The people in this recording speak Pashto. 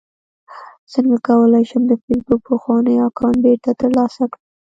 څنګه کولی شم د فېسبوک پخوانی اکاونټ بیرته ترلاسه کړم